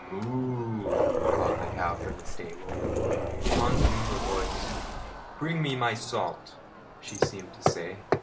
moo!" called the old cow from the stable. Hans knew her voice. "Bring me my salt," she seemed to say.